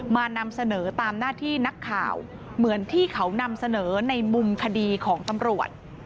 นำเสนอตามหน้าที่นักข่าวเหมือนที่เขานำเสนอในมุมคดีของตำรวจ